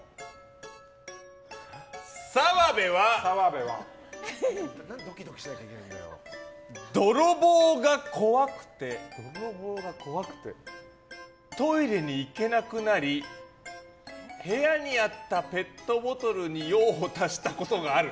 澤部は、泥棒が怖くてトイレに行けなくなり部屋にあったペットボトルに用を足したことがある。